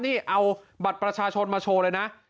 นี่เอาบัตรประชาชนมาโชว์เลยนะ